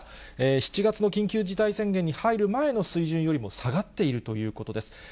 ７月の緊急事態宣言に入る前の水準よりも下がっているということです。